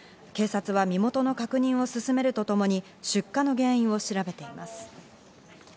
警察は身元の確認を進めるとともに、出火の原因を調べています。